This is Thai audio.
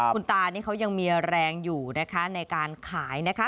คุณตานี่เขายังมีแรงอยู่นะคะในการขายนะคะ